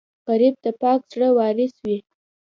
غریب د پاک زړه وارث وي